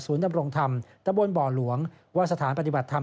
ดำรงธรรมตะบนบ่อหลวงว่าสถานปฏิบัติธรรม